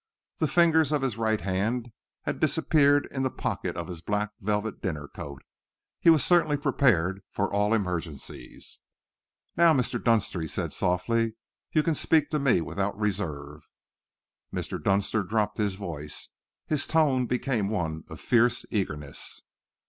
The fingers of his right hand had disappeared in the pocket of his black velvet dinner coat. He was certainly prepared for all emergencies. "Now, Mr. Dunster," he said softly, "you can speak to me without reserve." Mr. Dunster dropped his voice. His tone became one of fierce eagerness.